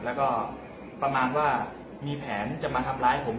แล้วก็พอเล่ากับเขาก็คอยจับอย่างนี้ครับ